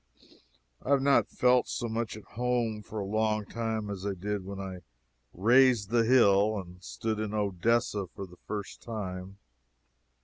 I have not felt so much at home for a long time as I did when I "raised the hill" and stood in Odessa for the first time.